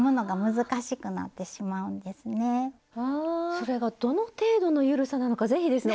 それがどの程度の緩さなのか是非ですね